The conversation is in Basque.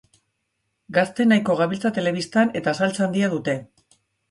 Gazte nahiko gabiltza telebistan, eta saltsa handia dute.